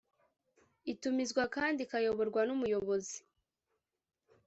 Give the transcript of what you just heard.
Itumizwa kandi ikayoborwa n’umuyobozi